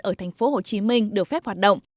ở thành phố hồ chí minh được phép hoạt động